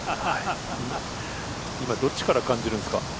今どっちから感じるんですか？